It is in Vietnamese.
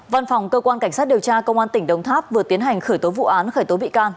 văn phòng cơ quan cảnh sát điều tra công an tỉnh đồng tháp vừa tiến hành khởi tố vụ án khởi tố bị can